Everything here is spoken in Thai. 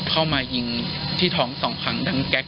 เข้ามายิงที่ท้องสองครั้ง